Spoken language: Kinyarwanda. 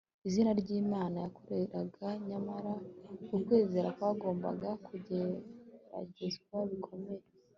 izina ry'imana yakoreraga; nyamara ukwizera kwagombaga kugeragezwa bikomeye